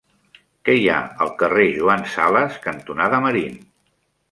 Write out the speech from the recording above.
Què hi ha al carrer Joan Sales cantonada Marín?